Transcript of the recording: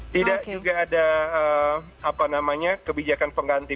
tidak juga ada kebijakan pengganti